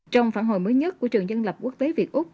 trong phản hồi mới nhất của trường dân lập quốc tế việt úc